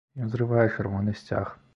Ён зрывае чырвоны сцяг.